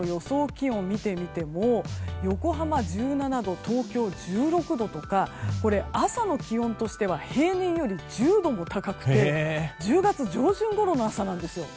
気温を見てみても横浜、１７度東京、１６度とかこれは朝の気温としては平年より１０度も高くて１０月上旬ごろの朝なんですよ。